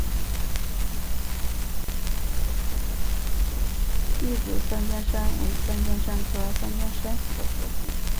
篦子三尖杉为三尖杉科三尖杉属的植物。